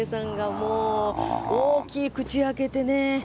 もう大きい口開けてね。